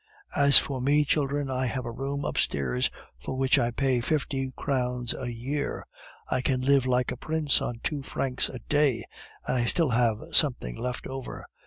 As for me, children, I have a room upstairs for which I pay fifty crowns a year; I can live like a prince on two francs a day, and still have something left over.